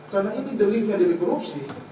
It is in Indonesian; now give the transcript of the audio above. karena ini delirinya dari korupsi